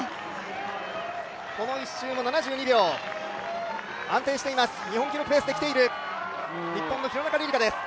この１周も７２秒、安定しています日本記録ペースできています